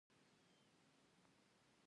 انټرنیټ او مخابرات عاید لري